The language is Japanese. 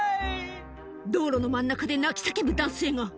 道路の真ん中で泣きさけぶ男性が。